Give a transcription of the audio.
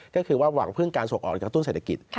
ก็คือว่าหวังพึ่งการส่งออกกระตุ้นเศรษฐกิจ